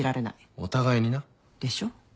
お互いにな。でしょ？